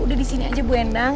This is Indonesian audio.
udah di sini aja bu endang